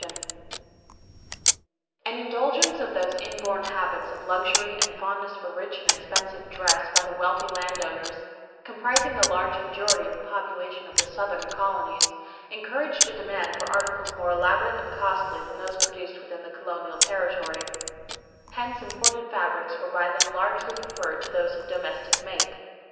No. 3. An indulgence of those inborn habits of luxury and fondness for rich and expensive dress by the wealthy land owners, comprising the large majority of the population of the Southern colonies, encouraged a demand for articles more elaborate and costly than those produced within the colonial territory; hence imported fabrics were by them largely preferred to those of domestic make.